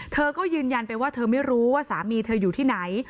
เธอก็ยืนยันไปว่าเธอไม่รู้ว่าสามีเธออยู่ที่ไหน